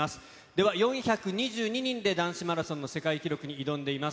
では、４２２人で男子マラソンの世界記録に挑んでいます